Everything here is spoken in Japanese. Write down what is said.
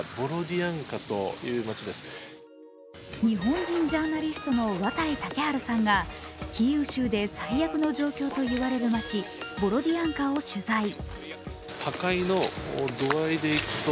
日本人ジャーナリストの綿井健陽さんがキーウ州で最悪の状況といわれる街・ボロディアンカを取材。